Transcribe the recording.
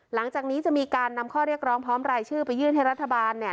หลังจากนี้จะมีการนำข้อเรียกร้องพร้อมรายชื่อไปยื่นให้รัฐบาลเนี่ย